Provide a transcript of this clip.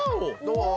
どう？